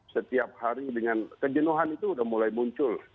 setiap hari dengan kejenuhan itu sudah mulai muncul